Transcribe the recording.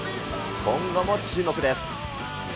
今後も注目です。